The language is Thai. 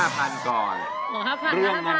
เพลงแรกนี้๕๐๐๐บาท